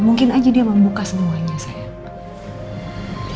mungkin aja dia membuka semuanya saya